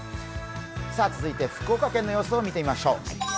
続いて福岡県の様子を見てみましょう。